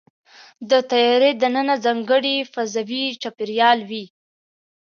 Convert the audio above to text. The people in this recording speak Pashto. د طیارې دننه ځانګړی فضاوي چاپېریال وي.